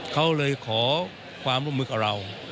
เขาเลยขอความร่วมมือกับเรา